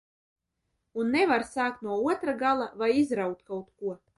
Un nevar sākt no otra gala vai izraut kaut ko.